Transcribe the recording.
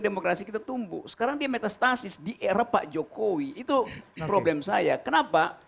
demokrasi kita tumbuh sekarang dia metastasis di era pak jokowi itu problem saya kenapa